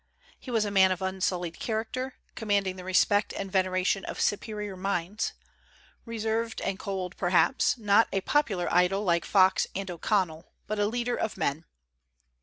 He was a man of unsullied character, commanding the respect and veneration of superior minds, reserved and cold, perhaps; not a popular idol like Fox and O'Connell, but a leader of men.